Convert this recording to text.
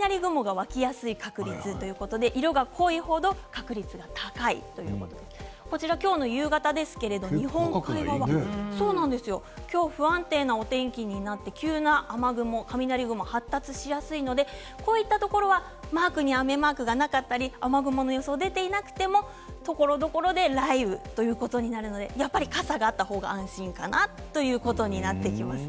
雷雲が湧きやすい確率ということで色が濃い程、確率が高いということで今日の夕方ですけれど日本海側今日は不安定なお天気になって急な雨雲、雷雲が発達しやすいのでこういったところはマークに雨マークがなかったり雨雲の予想が出ていなくてもところどころで雷雨っていうところがあるのでやっぱり傘があった方が安心かなということになります。